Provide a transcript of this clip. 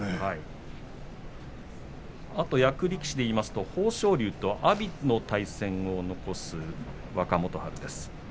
あと役力士でいいますと豊昇龍と阿炎との対戦を残す若元春です。